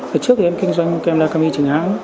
hồi trước thì em kinh doanh kem lacami chính hãng